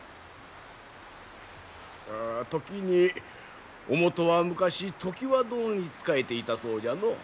時におもとは昔常磐殿に仕えていたそうじゃの。